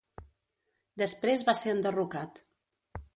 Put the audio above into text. Després va ser enderrocat.